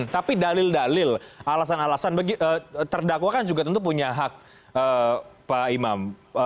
tapi dalil dalil alasan alasan terdakwa kan juga tentu punya hak pak imam